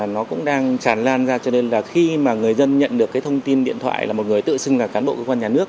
nó cũng đang tràn lan ra cho nên là khi mà người dân nhận được cái thông tin điện thoại là một người tự xưng là cán bộ cơ quan nhà nước